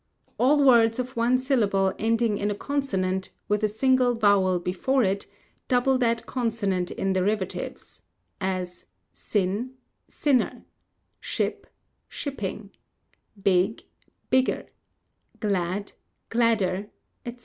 All words of one syllable ending in a consonant, with a single vowel before it, double that consonant in derivatives; as, sin, sinner; ship, shipping; big, bigger; glad, gladder, &c.